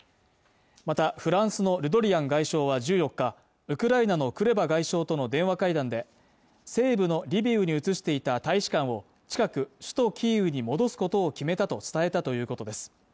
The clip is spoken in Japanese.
またフランスのルドリアン外相は１４日ウクライナのクレバ外相との電話会談で西部のリビウに移していた大使館を近く首都キーウに戻すことを決めたと伝えたということです